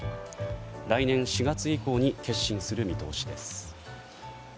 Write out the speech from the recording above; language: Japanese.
来年４月以降に結審する見通しです。